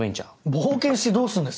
冒険してどうすんですか？